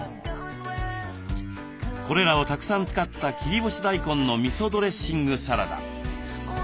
これらをたくさん使った切り干し大根のみそドレッシングサラダ。